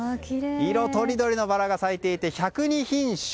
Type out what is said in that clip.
色とりどりのバラが咲いていて１０２品種。